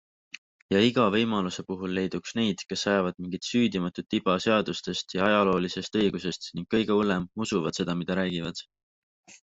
Ja iga võimaluse puhul leiduks neid, kes ajavad mingit süüdimatut iba seadustest ja ajaloolisest õigusest ning kõige hullem - usuvad seda, mida räägivad.